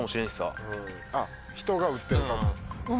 あっ人がうってる格好？